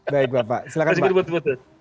baik bapak silakan pak